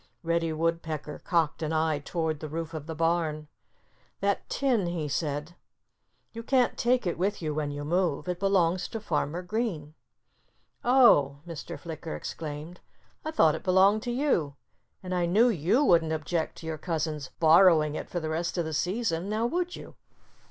Reddy Woodpecker cocked an eye toward the roof of the barn. "That tin—" he said—"you can't take it with you when you move. It belongs to Farmer Green." "Oh!" Mr. Flicker exclaimed. "I thought it belonged to you. And I knew you wouldn't object to your cousin's borrowing it for the rest of the season—now would you?"